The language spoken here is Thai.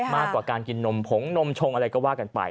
มากกว่าการกินนมผงนมชงอะไรก็ว่ากันไป